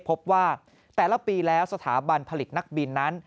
พบว่าแต่ละปีแล้วสถาบันผลิตนักบินนั้น